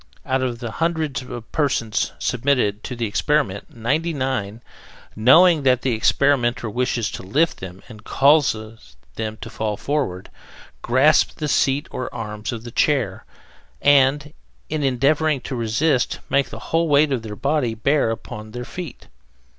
Out of a hundred persons submitted to the experiment, ninety nine, knowing that the experimenter wishes to lift them and cause them to fall forward, grasp the seat or arms of the chair, and, in endeavoring to resist, make the whole weight of their body bear upon their feet.